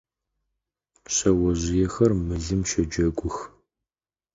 Шъэожъыехэр мылым щэджэгух.